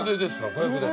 子役で。